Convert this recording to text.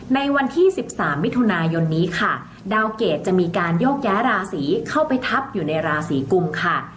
ในวันที่๑๓มิถุนายนนี้ค่ะดาวเกรดจะมีการโยกย้ายราศีเข้าไปทับอยู่ในราศีกุมค่ะ